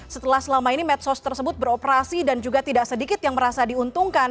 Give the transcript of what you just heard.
setelah selama ini medsos tersebut beroperasi dan juga tidak sedikit yang merasa diuntungkan